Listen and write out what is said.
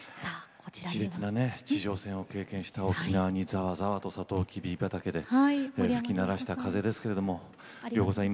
しれつな地上戦を経験した沖縄にざわざわとさとうきび畑で吹き鳴らせた風ですけれども良子さん